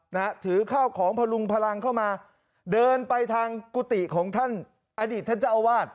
นะฮะถือข้าวของพลุงพลังเข้ามาเดินไปทางกุฏิของท่านอดีตท่านเจ้าอาวาส